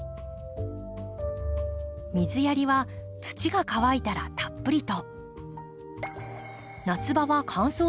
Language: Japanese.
水やりは土が乾いたらたっぷりと。